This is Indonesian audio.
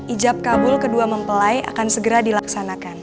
ijab kabul kedua mempelai akan segera dilaksanakan